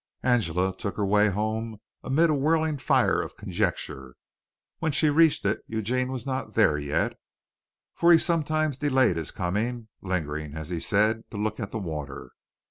Angela took her way home amid a whirling fire of conjecture. When she reached it Eugene was not there yet, for he sometimes delayed his coming, lingering, as he said, to look at the water.